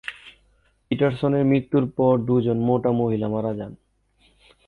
পিটারসনের মৃত্যুর পর দুজন মোটা মহিলা মারা যান।